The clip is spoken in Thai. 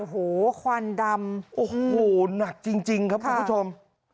โอ้โหควันดำโอ้โหหนักจริงครับคุณผู้ชม